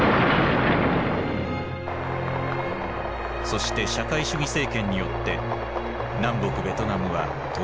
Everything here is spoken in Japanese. そして社会主義政権によって南北ベトナムは統一された。